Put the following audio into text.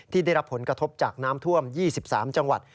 ได้รับผลกระทบจากน้ำท่วม๒๓จังหวัด